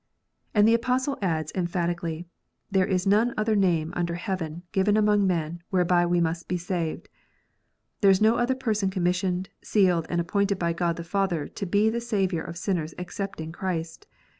And the Apostle adds emphatically, "There is none other name under heaven given among men, whereby we must be saved." There is no other person commissioned, sealed, and appointed by God the Father to be the Saviour of sinners excepting Christ.